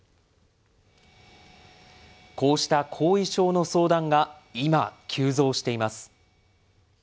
こうした後遺症の相談が今、急増しています。